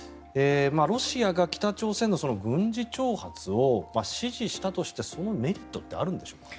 ロシアが北朝鮮の軍事挑発を支持したとしてそのメリットってあるんでしょうか。